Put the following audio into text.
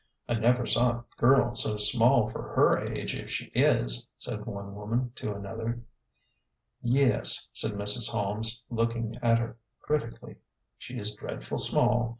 I never saw a girl so small for her age if she is," said one woman to another. " Yes," said Mrs. Holmes, looking at her critically ;" she is dreadful small.